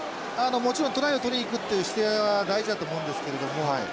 もちろんトライを取りにいくっていう姿勢は大事だと思うんですけれども。